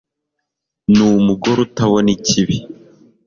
n'umugore utabona ikibi